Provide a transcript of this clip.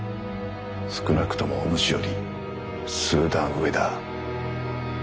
少なくともお主より数段上だ。